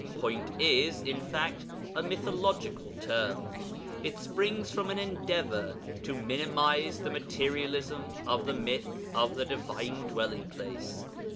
'Point' is, in fact, a mythological term. It springs from an endeavour to minimize the materialism of the myth of the Divine Dwelling place.